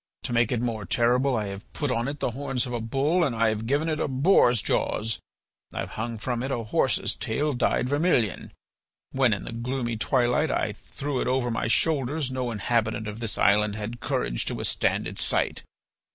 To make it more terrible I have put on it the horns of a bull and I have given it a boar's jaws; I have hung from it a horse's tail dyed vermilion. When in the gloomy twilight I threw it over my shoulders no inhabitant of this island had courage to withstand its sight.